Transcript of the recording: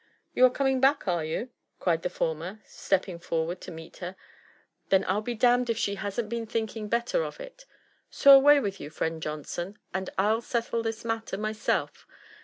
'' You are coming back, are you ?" cried the former, stepping forward to meet her. " Then I'll be d —* d if she hasn't been thinking better of it. So away with you, friend Johnson, and I'll settle this matter myself.